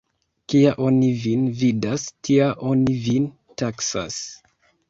Kia oni vin vidas, tia oni vin taksas.